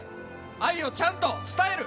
愛をちゃんと伝える。